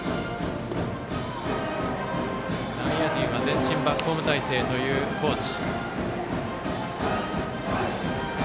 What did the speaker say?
内野陣は前進バックホーム態勢という高知。